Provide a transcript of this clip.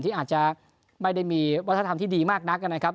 ที่อาจจะไม่ได้มีวัฒนธรรมที่ดีมากนักนะครับ